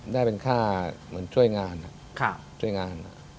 ได้เป็นค่าเหมือนช่วยงาน